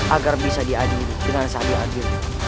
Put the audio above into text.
agar bisa diadil dengan sehati hati